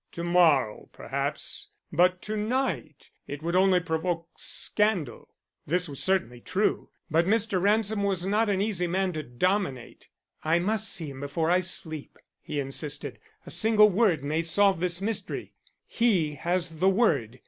"To morrow, perhaps, but to night it would only provoke scandal." This was certainly true, but Mr. Ransom was not an easy man to dominate. "I must see him before I sleep," he insisted. "A single word may solve this mystery. He has the word.